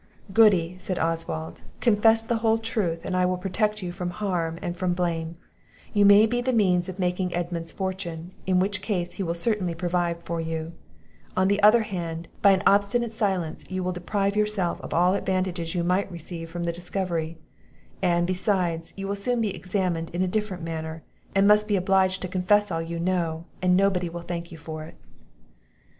"Goody," said Oswald, "confess the whole truth, and I will protect you from harm and from blame; you may be the means of making Edmund's fortune, in which case he will certainly provide for you; on the other hand, by an obstinate silence you will deprive yourself of all advantages you might receive from the discovery; and, beside, you will soon be examined in a different manner, and be obliged to confess all you know, and nobody will thank you for it."